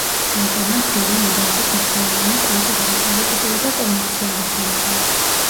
ამჟამად დელი ინდოეთის მნიშვნელოვანი კულტურული, პოლიტიკური და კომერციული ცენტრია.